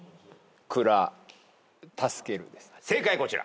正解こちら。